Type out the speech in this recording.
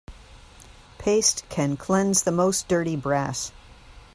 Paste can cleanse the most dirty brass.